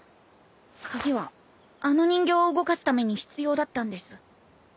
鍵はあの人形を動かすために必要だったんです。